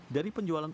dari penjualan uang